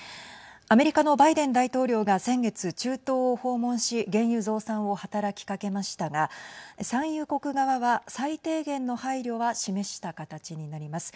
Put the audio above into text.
アメリカのバイデン大統領が先月、中東を訪問し原油増産を働きかけましたが産油国側は最低限の配慮は示した形になります。